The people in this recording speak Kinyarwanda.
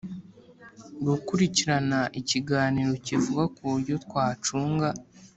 gukurikirana ikiganiro kivuga kuburyo twacunga